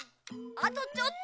あとちょっと。